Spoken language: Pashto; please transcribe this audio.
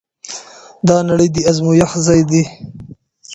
دا نړۍ د ازمويښت ځای دی.